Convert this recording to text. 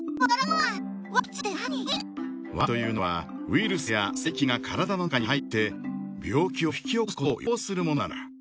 ワクチンというのはウイルスや細菌が体の中に入って病気を引き起こすことを予防するものなんだ。